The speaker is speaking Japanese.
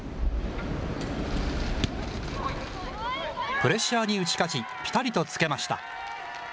プレッシャーに打ち勝ち、ぴたりとつけました。